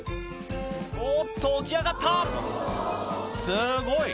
おっと起き上がったすごい！